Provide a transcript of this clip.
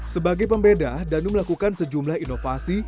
sebagai pembeda danu melakukan sejumlah inovasi